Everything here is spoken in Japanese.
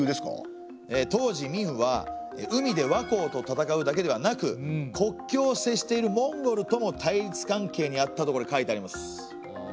当時明は海で倭寇と戦うだけではなく国境を接しているモンゴルとも対立関係にあったとこれ書いてあります。